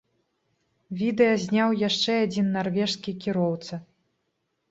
Відэа зняў яшчэ адзін нарвежскі кіроўца.